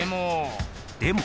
でも。